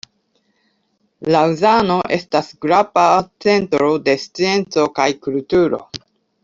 Laŭzano estas grava centro de scienco kaj kulturo.